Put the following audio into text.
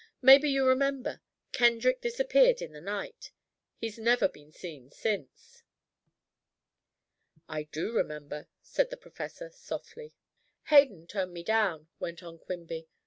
Maybe you remember. Kendrick disappeared in the night he's never been seen since." "I do remember," said the professor softly. "Hayden turned me down," went on Quimby.